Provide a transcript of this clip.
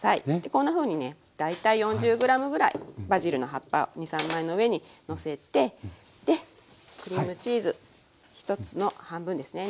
こんなふうにね大体４０ｇぐらいバジルの葉っぱ２３枚の上にのせてでクリームチーズ１つの半分ですね